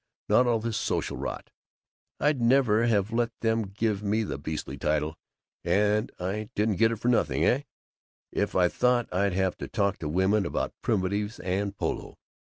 Not all this social rot. I'd never have let them give me the beastly title and I didn't get it for nothing, eh? if I'd thought I'd have to talk to women about primitives and polo!